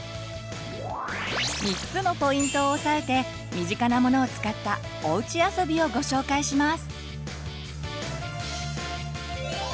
３つのポイントを押さえて身近なものを使ったおうちあそびをご紹介します。